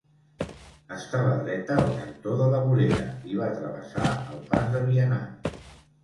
Estava dreta al cantó de la vorera i va travessar el pas de vianants.